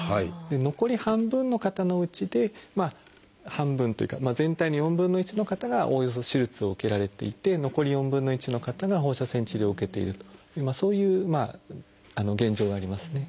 残り半分の方のうちで半分というか全体の４分の１の方がおおよそ手術を受けられていて残り４分の１の方が放射線治療を受けているというそういう現状がありますね。